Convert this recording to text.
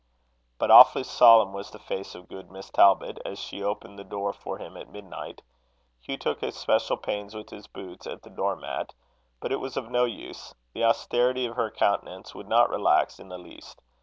But awfully solemn was the face of good Miss Talbot, as she opened the door for him at midnight. Hugh took especial pains with his boots and the door mat, but it was of no use: the austerity of her countenance would not relax in the least.